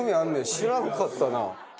知らんかったな。